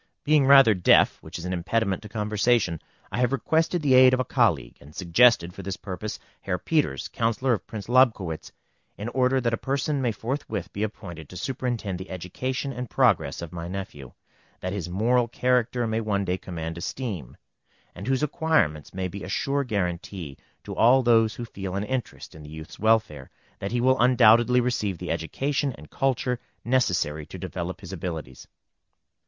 Being rather deaf, which is an impediment to conversation, I have requested the aid of a colleague, and suggested for this purpose Herr Peters, Councillor of Prince Lobkowitz, in order that a person may forthwith be appointed to superintend the education and progress of my nephew, that his moral character may one day command esteem, and whose acquirements may be a sure guaranty to all those who feel an interest in the youth's welfare, that he will undoubtedly receive the education and culture necessary to develop his abilities.